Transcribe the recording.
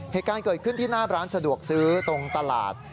เหตุการณ์เกิดขึ้นที่หน้าร้านสะดวกซื้อตรงตลาด